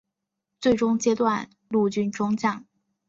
最终阶级陆军中将。